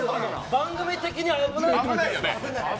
番組的に危ない。